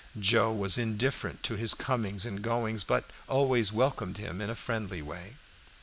Joe was indifferent to his comings and goings, but always welcomed him in a friendly way.